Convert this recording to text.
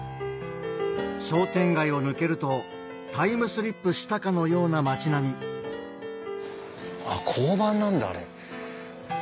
商店街を抜けるとタイムスリップしたかのような町並み交番なんだあれ。